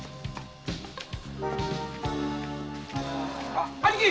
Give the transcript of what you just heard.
あッ兄貴。